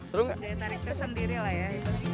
seru sendiri lah ya